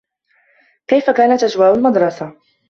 كيف كانت أجواء المدرسة ؟